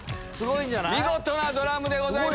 見事なドラムでございました。